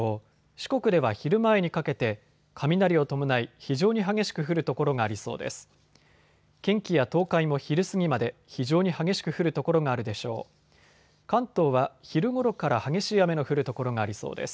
四国では昼前にかけて雷を伴い非常に激しく降る所がありそうです。